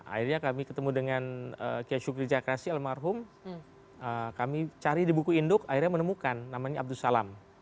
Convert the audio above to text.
akhirnya kami ketemu dengan kiyasukri jakrasi almarhum kami cari di buku induk akhirnya menemukan namanya abdussalam